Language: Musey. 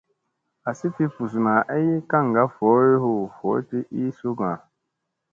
Asi fi buzuna ay kaŋga vooy hu voɗti ii sukŋga.